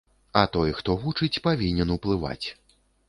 А той, хто вучыць, павінен уплываць!